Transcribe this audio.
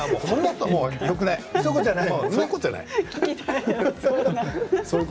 そういうことじゃない。